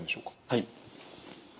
はい。